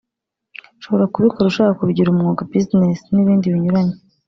ushobora kubikora ushaka kubigira umwuga (business) n’ibindi binyuranye